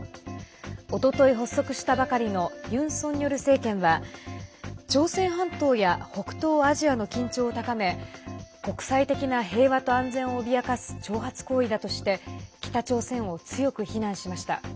おととい発足したばかりのユン・ソンニョル政権は朝鮮半島や北東アジアの緊張を高め国際的な平和と安全を脅かす挑発行為だとして北朝鮮を強く非難しました。